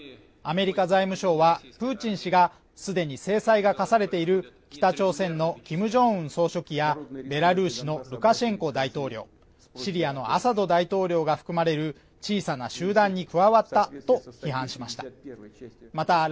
アメリカ財務省はプーチン氏がすでに制裁が科されている北朝鮮の金正恩総書記やベラルーシのルカシェンコ大統領シリアのアサド大統領が含まれる小さな集団に加わったと批判しました